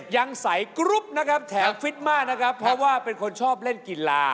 ยังใส่กรุ๊ปนะครับแถมฟิตมากนะครับเพราะว่าเป็นคนชอบเล่นกีฬา